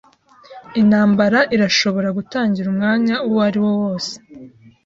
Intambara irashobora gutangira umwanya uwariwo wose.